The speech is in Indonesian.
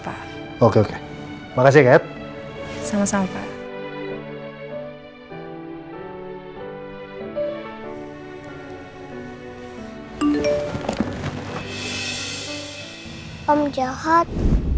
papa aku cuma ada papa al papa al zadaran om jahat